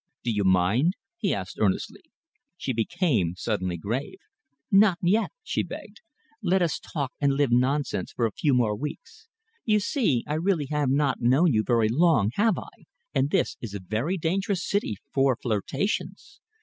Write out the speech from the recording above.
"Do you mind?" he asked earnestly. She became suddenly grave. "Not yet," she begged. "Let us talk and live nonsense for a few more weeks. You see, I really have not known you very long, have I, and this is a very dangerous city for flirtations.